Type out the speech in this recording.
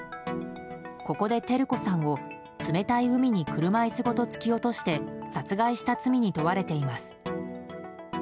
ここで照子さんを冷たい海に車椅子ごと突き落として殺害した罪に問われています。